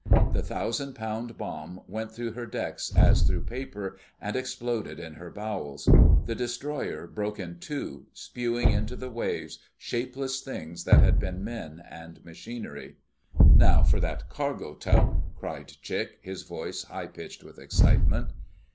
The thousand pound bomb went through her deck as through paper, and exploded in her bowels. The destroyer broke in two, spewing into the waves shapeless things that had been men and machinery. "Now for that cargo tub!" cried Chick, his voice high pitched with excitement.